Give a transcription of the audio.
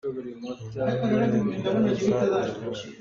America na rat duh ahcun mirang holh na thiam a hau.